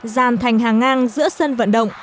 giàn thành hàng ngang giữa sân vận động